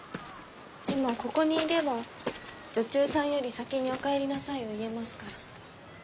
でもここにいれば女中さんより先に「お帰りなさい」を言えますから。